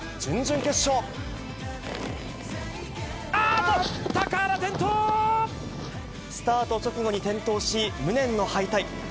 さあ、あっと、スタート直後に転倒し、無念の敗退。